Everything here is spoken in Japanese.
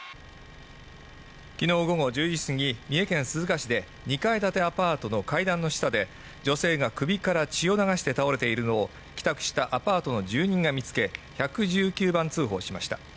きのう午後１０時すぎ、三重県鈴鹿市で２階建てアパートの階段の下で女性が首から血を流して倒れているのを、帰宅したアパートの住人が見つけ１１９番通報しました。